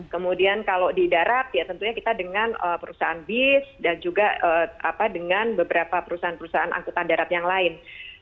kemudian kalau di darat ya tentunya kita dengan perusahaan bis dan juga dengan beberapa perusahaan perusahaan angkutan darat yang lain